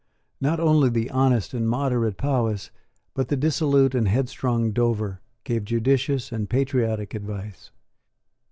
Not only the honest and moderate Powis, but the dissolute and headstrong Dover, gave judicious and patriotic advice.